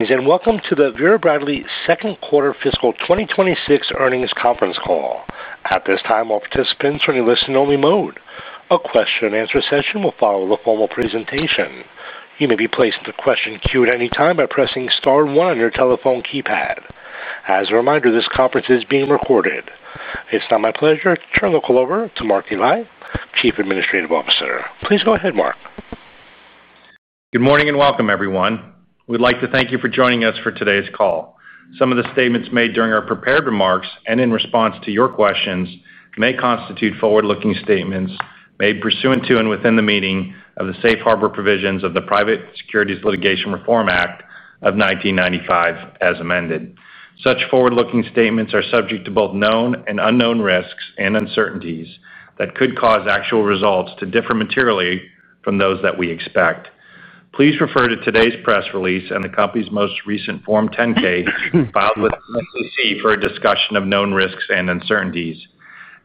Welcome to the Vera Bradley second quarter fiscal 2026 earnings conference call. At this time, all participants are in a listen-only mode. A question and answer session will follow the formal presentation. You may be placed in the question queue at any time by pressing star one on your telephone keypad. As a reminder, this conference is being recorded. It's now my pleasure to turn the call over to Mark Dely, Chief Administrative Officer. Please go ahead, Mark. Good morning and welcome, everyone. We'd like to thank you for joining us for today's call. Some of the statements made during our prepared remarks and in response to your questions may constitute forward-looking statements made pursuant to and within the meaning of the safe harbor provisions of the Private Securities Litigation Reform Act of 1995 as amended. Such forward-looking statements are subject to both known and unknown risks and uncertainties that could cause actual results to differ materially from those that we expect. Please refer to today's press release and the company's most recent Form 10-K filed with the SEC for a discussion of known risks and uncertainties.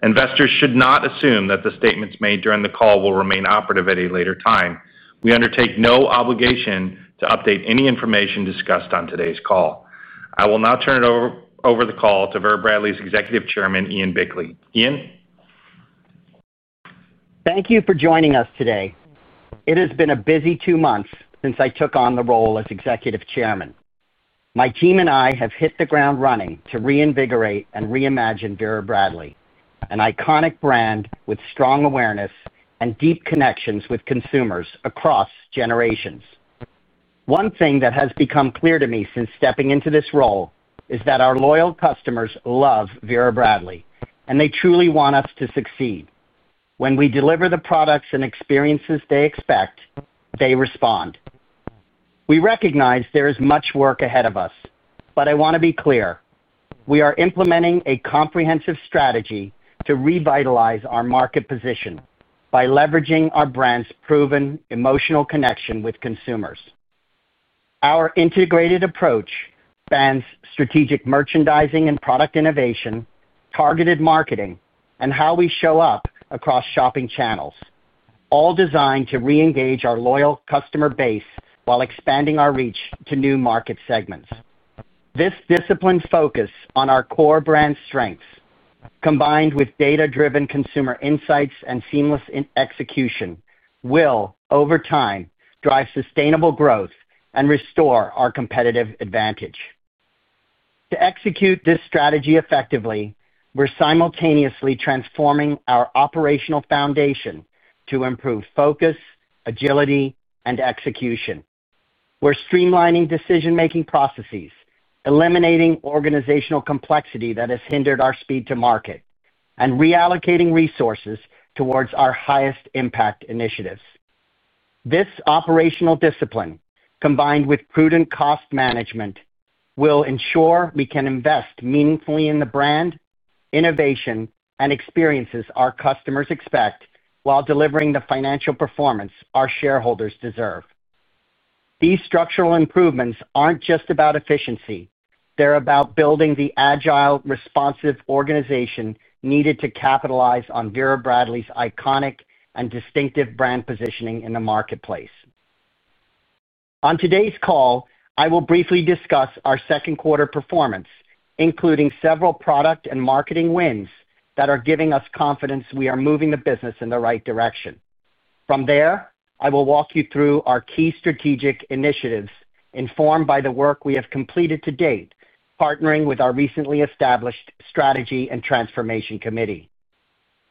Investors should not assume that the statements made during the call will remain operative at a later time. We undertake no obligation to update any information discussed on today's call. I will now turn over the call to Vera Bradley's Executive Chairman, Ian Bickley. Ian. Thank you for joining us today. It has been a busy two months since I took on the role as Executive Chairman. My team and I have hit the ground running to reinvigorate and reimagine Vera Bradley, an iconic brand with strong awareness and deep connections with consumers across generations. One thing that has become clear to me since stepping into this role is that our loyal customers love Vera Bradley, and they truly want us to succeed. When we deliver the products and experiences they expect, they respond. We recognize there is much work ahead of us, but I want to be clear. We are implementing a comprehensive strategy to revitalize our market position by leveraging our brand's proven emotional connection with consumers. Our integrated approach spans strategic merchandising and product innovation, targeted marketing, and how we show up across shopping channels, all designed to re-engage our loyal customer base while expanding our reach to new market segments. This disciplined focus on our core brand strengths, combined with data-driven consumer insights and seamless execution, will, over time, drive sustainable growth and restore our competitive advantage. To execute this strategy effectively, we're simultaneously transforming our operational foundation to improve focus, agility, and execution. We're streamlining decision-making processes, eliminating organizational complexity that has hindered our speed to market, and reallocating resources towards our highest impact initiatives. This operational discipline, combined with prudent cost management, will ensure we can invest meaningfully in the brand, innovation, and experiences our customers expect while delivering the financial performance our shareholders deserve. These structural improvements aren't just about efficiency; they're about building the agile, responsive organization needed to capitalize on Vera Bradley's iconic and distinctive brand positioning in the marketplace. On today's call, I will briefly discuss our second quarter performance, including several product and marketing wins that are giving us confidence we are moving the business in the right direction. From there, I will walk you through our key strategic initiatives informed by the work we have completed to date, partnering with our recently established Strategy and Transformation Committee.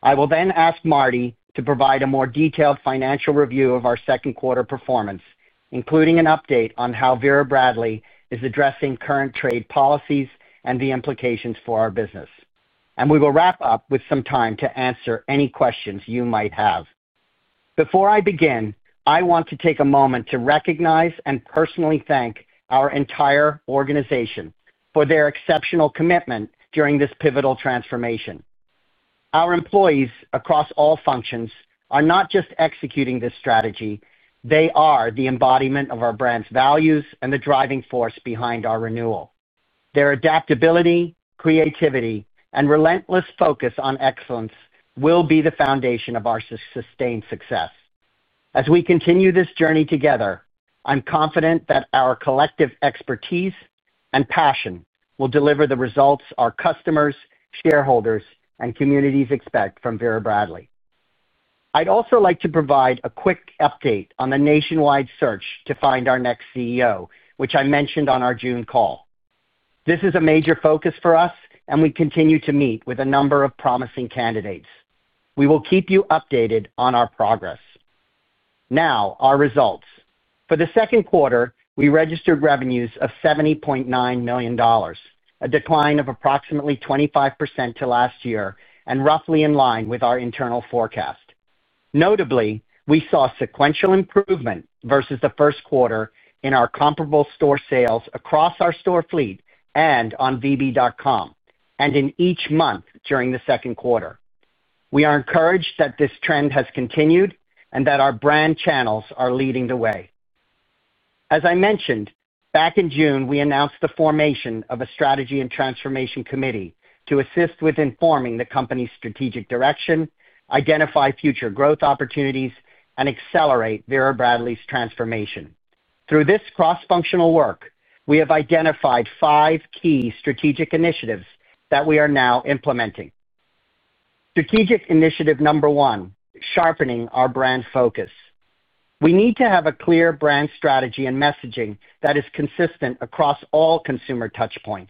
I will then ask Mark Dely to provide a more detailed financial review of our second quarter performance, including an update on how Vera Bradley is addressing current trade policies and the implications for our business. We will wrap up with some time to answer any questions you might have. Before I begin, I want to take a moment to recognize and personally thank our entire organization for their exceptional commitment during this pivotal transformation. Our employees across all functions are not just executing this strategy; they are the embodiment of our brand's values and the driving force behind our renewal. Their adaptability, creativity, and relentless focus on excellence will be the foundation of our sustained success. As we continue this journey together, I'm confident that our collective expertise and passion will deliver the results our customers, shareholders, and communities expect from Vera Bradley. I'd also like to provide a quick update on the nationwide search to find our next CEO, which I mentioned on our June call. This is a major focus for us, and we continue to meet with a number of promising candidates. We will keep you updated on our progress. Now, our results. For the second quarter, we registered revenues of $70.9 million, a decline of approximately 25% to last year and roughly in line with our internal forecast. Notably, we saw sequential improvement versus the first quarter in our comparable store sales across our store fleet and on VB.com, and in each month during the second quarter. We are encouraged that this trend has continued and that our brand channels are leading the way. As I mentioned back in June, we announced the formation of a Strategy and Transformation Committee to assist with informing the company's strategic direction, identify future growth opportunities, and accelerate Vera Bradley's transformation. Through this cross-functional work, we have identified five key strategic initiatives that we are now implementing. Strategic Initiative Number One, sharpening our brand focus. We need to have a clear brand strategy and messaging that is consistent across all consumer touchpoints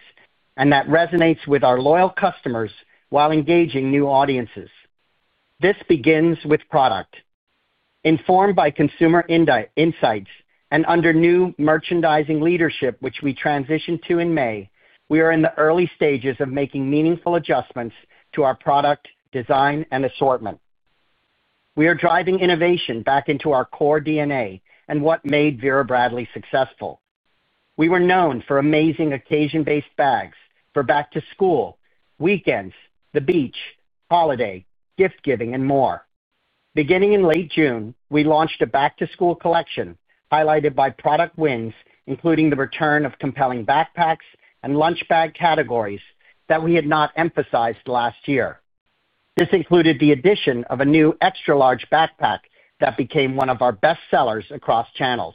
and that resonates with our loyal customers while engaging new audiences. This begins with product. Informed by consumer insights and under new merchandising leadership, which we transitioned to in May, we are in the early stages of making meaningful adjustments to our product design and assortment. We are driving innovation back into our core DNA and what made Vera Bradley successful. We were known for amazing occasion-based bags for back-to-school, weekends, the beach, holiday, gift-giving, and more. Beginning in late June, we launched a back-to-school collection highlighted by product wins, including the return of compelling backpacks and lunch bag categories that we had not emphasized last year. This included the addition of a new extra-large backpack that became one of our best sellers across channels.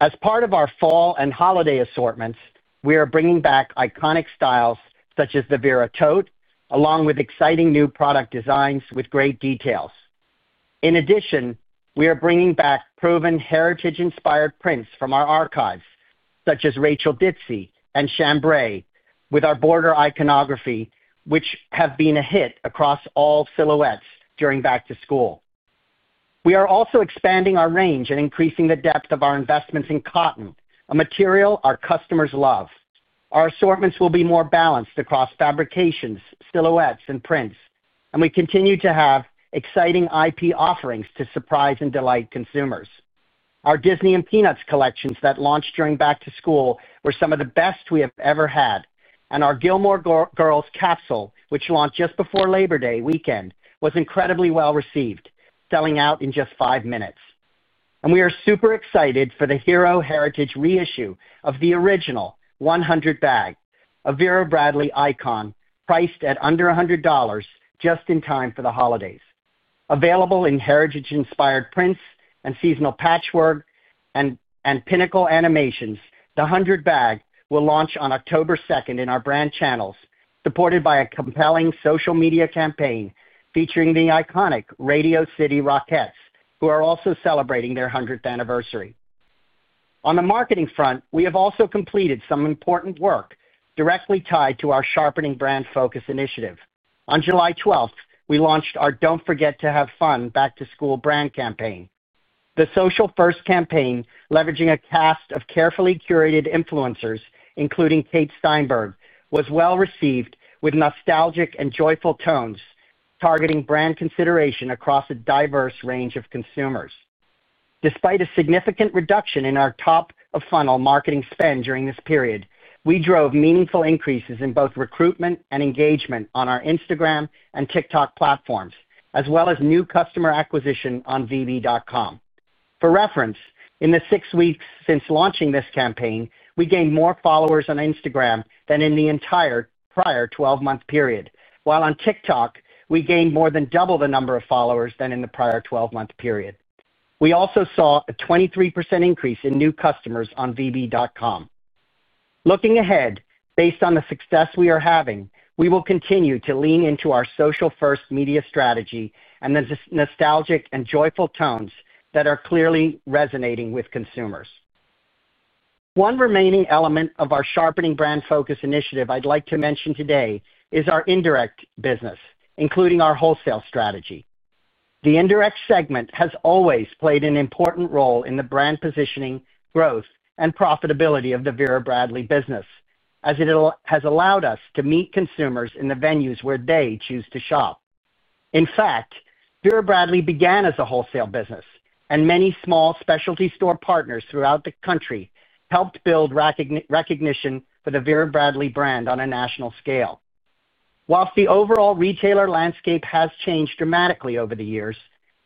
As part of our fall and holiday assortments, we are bringing back iconic styles such as the Vera Tote, along with exciting new product designs with great details. In addition, we are bringing back proven heritage-inspired prints from our archives, such as Rachel Dixie and Shambray with our border iconography, which have been a hit across all silhouettes during back-to-school. We are also expanding our range and increasing the depth of our investments in cotton, a material our customers love. Our assortments will be more balanced across fabrications, silhouettes, and prints, and we continue to have exciting IP offerings to surprise and delight consumers. Our Disney and Peanuts collections that launched during back-to-school were some of the best we have ever had, and our Gilmore Girls capsule, which launched just before Labor Day weekend, was incredibly well received, selling out in just five minutes. We are super excited for the Hero Heritage reissue of the original 100 bag, a Vera Bradley icon priced at under $100 just in time for the holidays. Available in heritage-inspired prints and seasonal patchwork and pinnacle animations, the 100 bag will launch on October 2nd in our brand channels, supported by a compelling social media campaign featuring the iconic Radio City Rockettes, who are also celebrating their 100th anniversary. On the marketing front, we have also completed some important work directly tied to our sharpening brand focus initiative. On July 12th, we launched our Don't Forget to Have Fun Back to School Brand Campaign. The social-first campaign, leveraging a cast of carefully curated influencers, including Kate Steinberg, was well received with nostalgic and joyful tones, targeting brand consideration across a diverse range of consumers. Despite a significant reduction in our top-of-funnel marketing spend during this period, we drove meaningful increases in both recruitment and engagement on our Instagram and TikTok platforms, as well as new customer acquisition on VB.com. For reference, in the six weeks since launching this campaign, we gained more followers on Instagram than in the entire prior 12-month period, while on TikTok, we gained more than double the number of followers than in the prior 12-month period. We also saw a 23% increase in new customers on VB.com. Looking ahead, based on the success we are having, we will continue to lean into our social-first media strategy and the nostalgic and joyful tones that are clearly resonating with consumers. One remaining element of our sharpening brand focus initiative I'd like to mention today is our indirect business, including our wholesale strategy. The indirect segment has always played an important role in the brand positioning, growth, and profitability of the Vera Bradley business, as it has allowed us to meet consumers in the venues where they choose to shop. In fact, Vera Bradley began as a wholesale business, and many small specialty store partners throughout the country helped build recognition for the Vera Bradley brand on a national scale. Whilst the overall retailer landscape has changed dramatically over the years,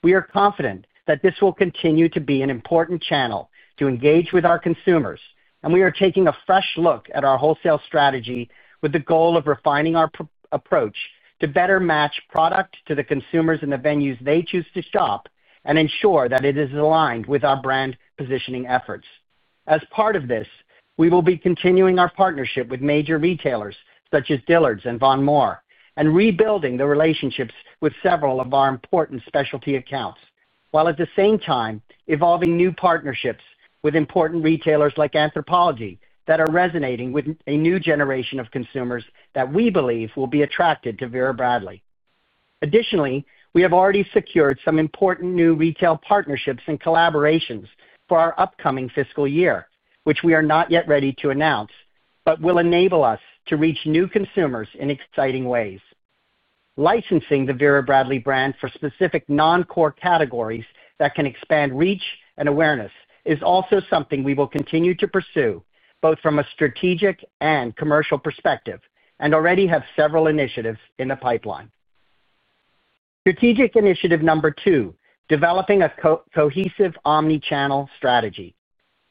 we are confident that this will continue to be an important channel to engage with our consumers, and we are taking a fresh look at our wholesale strategy with the goal of refining our approach to better match product to the consumers in the venues they choose to shop and ensure that it is aligned with our brand positioning efforts. As part of this, we will be continuing our partnership with major retailers such as Dillard’s and Von Maur and rebuilding the relationships with several of our important specialty accounts, while at the same time evolving new partnerships with important retailers like Anthropologie that are resonating with a new generation of consumers that we believe will be attracted to Vera Bradley. Additionally, we have already secured some important new retail partnerships and collaborations for our upcoming fiscal year, which we are not yet ready to announce, but will enable us to reach new consumers in exciting ways. Licensing the Vera Bradley brand for specific non-core categories that can expand reach and awareness is also something we will continue to pursue, both from a strategic and commercial perspective, and already have several initiatives in the pipeline. Strategic Initiative Number Two, developing a cohesive omnichannel strategy.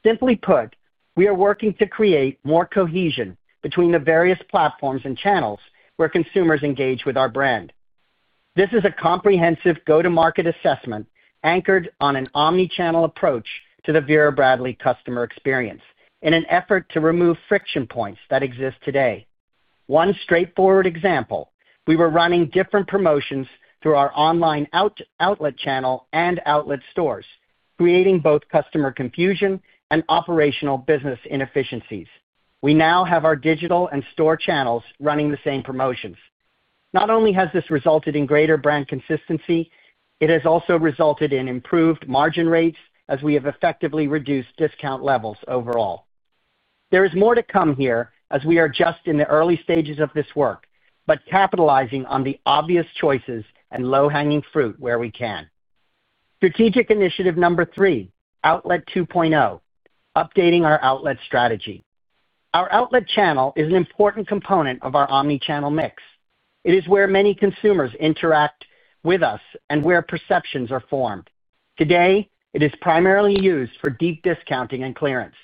Simply put, we are working to create more cohesion between the various platforms and channels where consumers engage with our brand. This is a comprehensive go-to-market assessment anchored on an omnichannel approach to the Vera Bradley customer experience in an effort to remove friction points that exist today. One straightforward example, we were running different promotions through our online outlet channel and outlet stores, creating both customer confusion and operational business inefficiencies. We now have our digital and store channels running the same promotions. Not only has this resulted in greater brand consistency, it has also resulted in improved margin rates as we have effectively reduced discount levels overall. There is more to come here as we are just in the early stages of this work, but capitalizing on the obvious choices and low-hanging fruit where we can. Strategic Initiative Number Three, Outlet 2.0, updating our outlet strategy. Our outlet channel is an important component of our omnichannel mix. It is where many consumers interact with us and where perceptions are formed. Today, it is primarily used for deep discounting and clearance.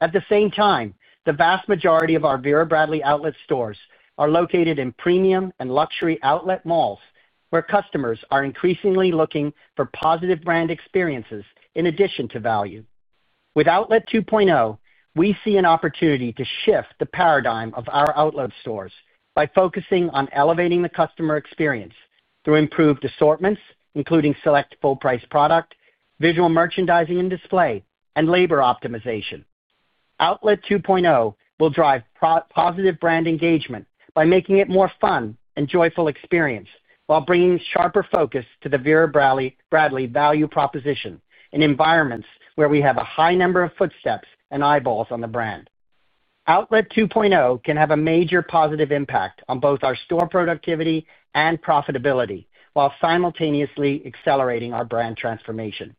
At the same time, the vast majority of our Vera Bradley outlet stores are located in premium and luxury outlet malls where customers are increasingly looking for positive brand experiences in addition to value. With Outlet 2.0, we see an opportunity to shift the paradigm of our outlet stores by focusing on elevating the customer experience through improved assortments, including select full-price product, visual merchandising and display, and labor optimization. Outlet 2.0 will drive positive brand engagement by making it a more fun and joyful experience while bringing sharper focus to the Vera Bradley value proposition in environments where we have a high number of footsteps and eyeballs on the brand. Outlet 2.0 can have a major positive impact on both our store productivity and profitability while simultaneously accelerating our brand transformation.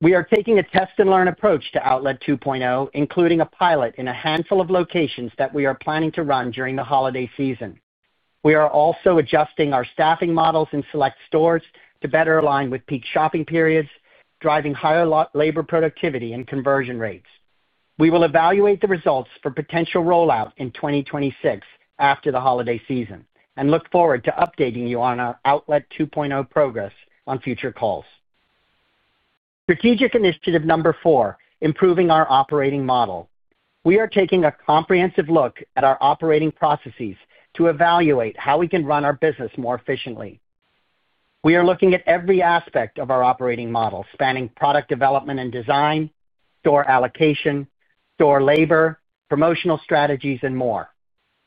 We are taking a test-and-learn approach to Outlet 2.0, including a pilot in a handful of locations that we are planning to run during the holiday season. We are also adjusting our staffing models in select stores to better align with peak shopping periods, driving higher labor productivity and conversion rates. We will evaluate the results for potential rollout in 2026 after the holiday season and look forward to updating you on our Outlet 2.0 progress on future calls. Strategic Initiative Number Four, improving our operating model. We are taking a comprehensive look at our operating processes to evaluate how we can run our business more efficiently. We are looking at every aspect of our operating model, spanning product development and design, store allocation, store labor, promotional strategies, and more.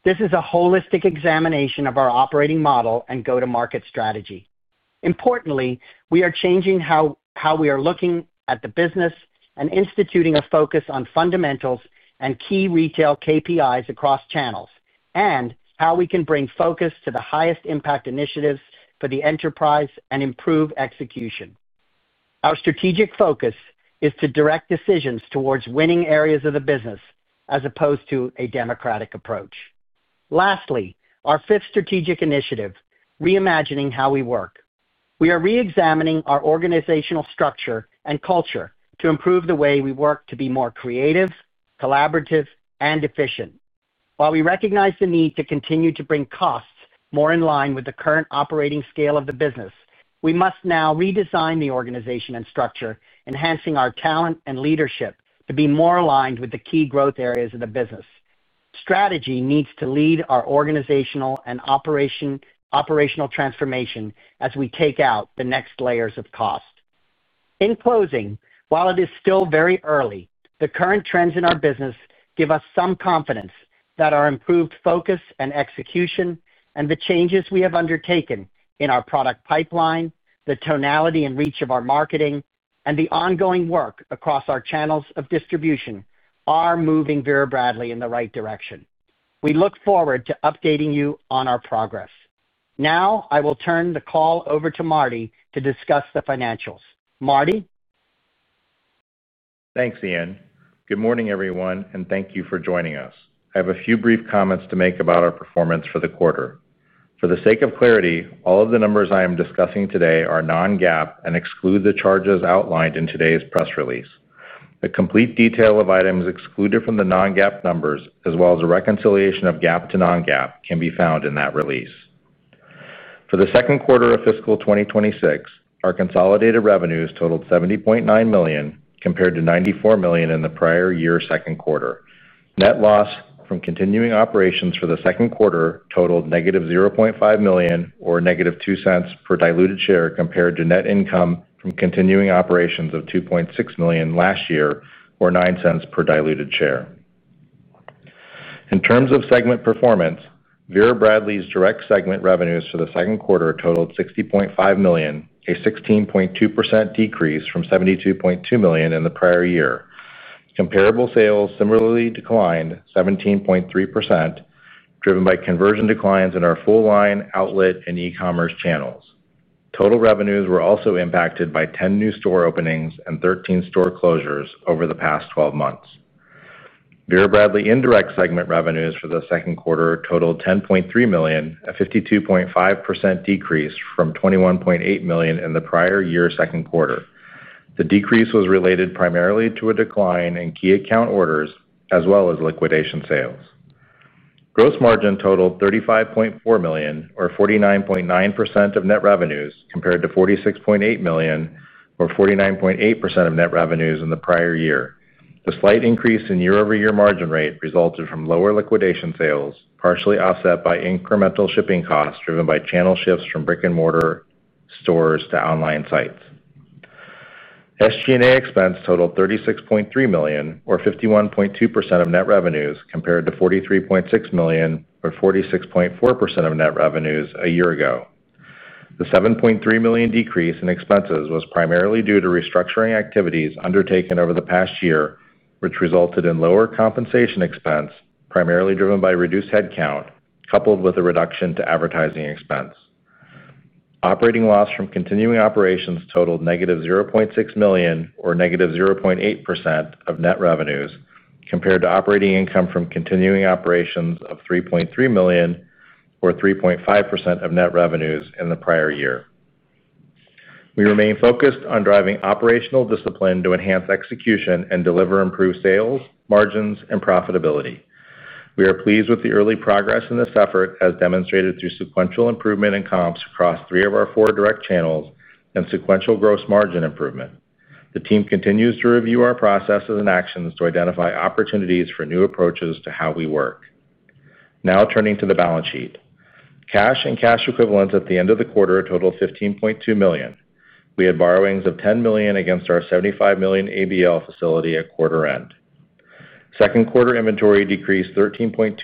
This is a holistic examination of our operating model and go-to-market strategy. Importantly, we are changing how we are looking at the business and instituting a focus on fundamentals and key retail KPIs across channels and how we can bring focus to the highest impact initiatives for the enterprise and improve execution. Our strategic focus is to direct decisions towards winning areas of the business as opposed to a democratic approach. Lastly, our fifth strategic initiative, reimagining how we work. We are re-examining our organizational structure and culture to improve the way we work to be more creative, collaborative, and efficient. While we recognize the need to continue to bring costs more in line with the current operating scale of the business, we must now redesign the organization and structure, enhancing our talent and leadership to be more aligned with the key growth areas of the business. Strategy needs to lead our organizational and operational transformation as we take out the next layers of cost. In closing, while it is still very early, the current trends in our business give us some confidence that our improved focus and execution and the changes we have undertaken in our product pipeline, the tonality and reach of our marketing, and the ongoing work across our channels of distribution are moving Vera Bradley in the right direction. We look forward to updating you on our progress. Now, I will turn the call over to Marty to discuss the financials. Marty. Thanks, Ian. Good morning, everyone, and thank you for joining us. I have a few brief comments to make about our performance for the quarter. For the sake of clarity, all of the numbers I am discussing today are non-GAAP and exclude the charges outlined in today's press release. The complete detail of items excluded from the non-GAAP numbers, as well as a reconciliation of GAAP to non-GAAP, can be found in that release. For the second quarter of fiscal 2026, our consolidated revenues totaled $70.9 million compared to $94 million in the prior year's second quarter. Net loss from continuing operations for the second quarter totaled -$0.5 million, or -$0.02 per diluted share, compared to net income from continuing operations of $2.6 million last year, or $0.09 per diluted share. In terms of segment performance, Vera Bradley's direct segment revenues for the second quarter totaled $60.5 million, a 16.2% decrease from $72.2 million in the prior year. Comparable sales similarly declined 17.3%, driven by conversion declines in our full line, outlet, and e-commerce channels. Total revenues were also impacted by 10 new store openings and 13 store closures over the past 12 months. Vera Bradley indirect segment revenues for the second quarter totaled $10.3 million, a 52.5% decrease from $21.8 million in the prior year's second quarter. The decrease was related primarily to a decline in key account orders as well as liquidation sales. Gross margin totaled $35.4 million, or 49.9% of net revenues, compared to $46.8 million, or 49.8% of net revenues in the prior year. The slight increase in year-over-year margin rate resulted from lower liquidation sales, partially offset by incremental shipping costs driven by channel shifts from brick-and-mortar stores to online sites. SG&A expense totaled $36.3 million, or 51.2% of net revenues, compared to $43.6 million, or 46.4% of net revenues a year ago. The $7.3 million decrease in expenses was primarily due to restructuring activities undertaken over the past year, which resulted in lower compensation expense, primarily driven by reduced headcount, coupled with a reduction to advertising expense. Operating loss from continuing operations totaled -$0.6 million, or -0.8% of net revenues, compared to operating income from continuing operations of $3.3 million, or 3.5% of net revenues in the prior year. We remain focused on driving operational discipline to enhance execution and deliver improved sales, margins, and profitability. We are pleased with the early progress in this effort, as demonstrated through sequential improvement in comps across three of our four direct channels and sequential gross margin improvement. The team continues to review our processes and actions to identify opportunities for new approaches to how we work. Now, turning to the balance sheet. Cash and cash equivalents at the end of the quarter totaled $15.2 million. We had borrowings of $10 million against our $75 million ABL facility at quarter end. Second quarter inventory decreased 13.2%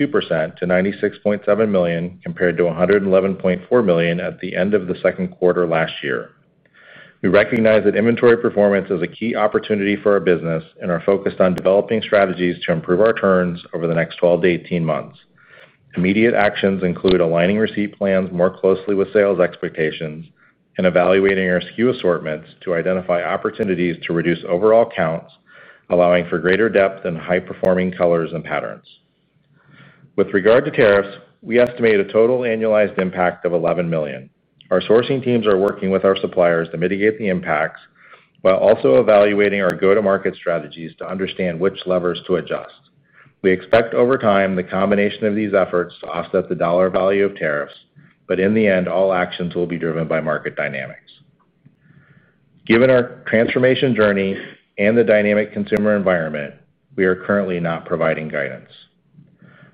to $96.7 million, compared to $111.4 million at the end of the second quarter last year. We recognize that inventory performance is a key opportunity for our business and are focused on developing strategies to improve our turns over the next 12 to 18 months. Immediate actions include aligning receipt plans more closely with sales expectations and evaluating our SKU assortments to identify opportunities to reduce overall counts, allowing for greater depth in high-performing colors and patterns. With regard to tariffs, we estimate a total annualized impact of $11 million. Our sourcing teams are working with our suppliers to mitigate the impacts while also evaluating our go-to-market strategies to understand which levers to adjust. We expect over time the combination of these efforts to offset the dollar value of tariffs, but in the end, all actions will be driven by market dynamics. Given our transformation journey and the dynamic consumer environment, we are currently not providing guidance.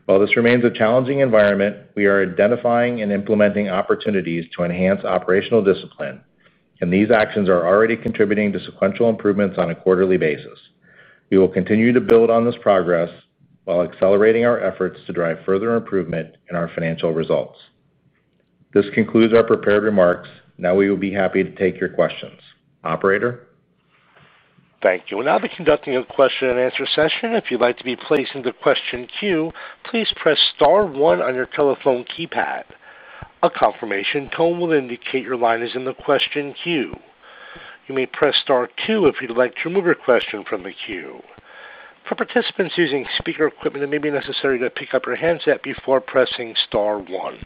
While this remains a challenging environment, we are identifying and implementing opportunities to enhance operational discipline, and these actions are already contributing to sequential improvements on a quarterly basis. We will continue to build on this progress while accelerating our efforts to drive further improvement in our financial results. This concludes our prepared remarks. Now we would be happy to take your questions. Operator? Thank you. We'll now be conducting a question and answer session. If you'd like to be placed in the question queue, please press star one on your telephone keypad. A confirmation tone will indicate your line is in the question queue. You may press star two if you'd like to remove your question from the queue. For participants using speaker equipment, it may be necessary to pick up your headset before pressing star one.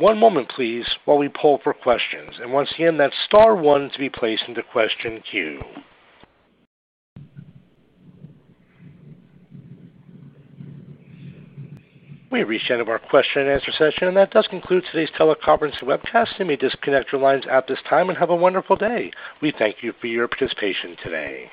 One moment, please, while we poll for questions. Once again, that's star one to be placed in the question queue. We reached the end of our question and answer session, and that does conclude today's teleconference webcast. You may disconnect your lines at this time and have a wonderful day. We thank you for your participation today.